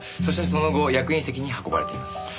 そしてその後役員席に運ばれています。